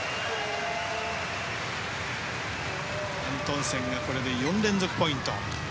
アントンセンがこれで４連続ポイント。